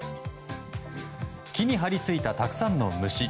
木に張り付いた、たくさんの虫。